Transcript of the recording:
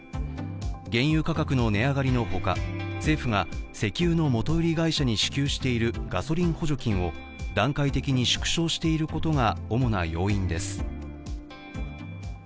原油価格の値上がりのほか政府が石油の元売り会社に支給しているガソリン補助金を段階的に縮小していることが主な要因です。